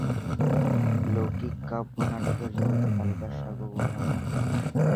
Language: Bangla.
লৌকিক কাব্য নাটকের জগতে কালিদাস সার্বভৌম সম্রাট।